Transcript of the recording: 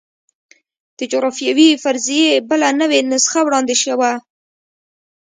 د جغرافیوي فرضیې بله نوې نسخه وړاندې شوه.